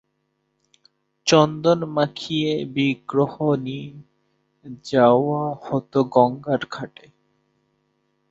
চন্দন মাখিয়ে বিগ্রহ নিয়ে যাওয়া হত গঙ্গার ঘাটে।